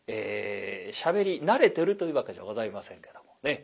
しゃべり慣れてるというわけじゃございませんけどもね